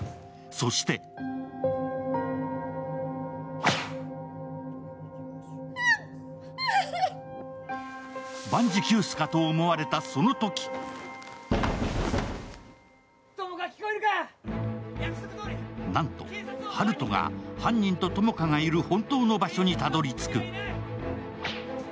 そして万事休すかと思われたそのときなんと、温人が犯人と友果がいる本当の場所にたどり着く。